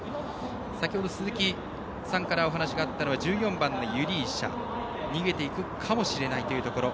先ほど、鈴木さんからお話があったのは１４番ユリーシャ逃げていくかもしれないというところ。